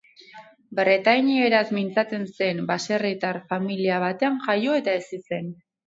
Bretainieraz mintzatzen zen baserritar familia batean jaio eta hezi zen.